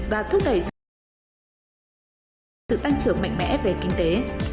và thúc đẩy sự tăng trưởng mạnh mẽ về kinh tế